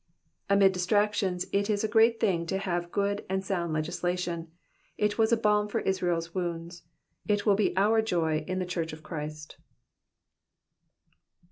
'*^ Amid dis tractions it is a great thing to have good and sound legislation, it was a balm for Israel's wounds, it is our joy in the church of Christ.